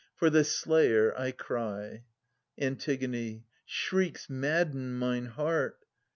For the slayer I cry ! {Str.) Ant. Shrieks madden mine heart